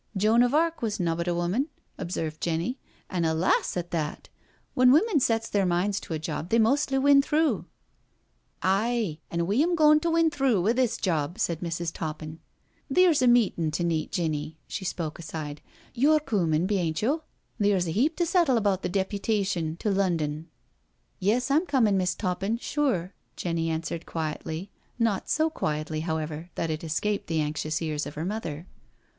" Joan of Arc was nobbut a woman," observed Jenny, "an* a lass at that I When women sets their minds to a job they mostly win through." " Aye, an' we'm goin' to win through wi' this job," said Mrs. Toppin. "Theere's a meetin' to« neet, Jenny "—she spoke aside—" yo're coomin', hain't yo'? Theere's a heap to settle about the deputation to Lon don." " Yes, I'm comin'. Miss* Toppin— sure," Jenny an swered quietly, not so quietly, however, that it escaped the anxious ears of her mother.